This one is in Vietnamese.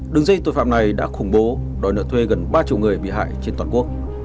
đường dây tội phạm này đã khủng bố đòi nợ thuê gần ba triệu người bị hại trên toàn quốc